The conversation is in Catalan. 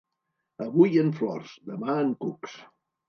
Avui en flors, demà en cucs.